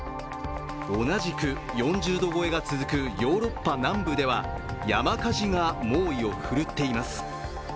同じく４０度超えが続くヨーロッパ南部では山火事が猛威を振るっています。